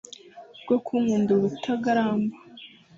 rwo kunkunda ubutagaramba”